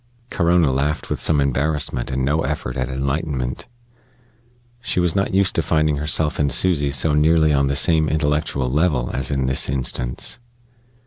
Corona laughed with some embarrassment and no effort at enlightenment. She was not used to finding herself and Susy so nearly on the same intellectual level as in this instance.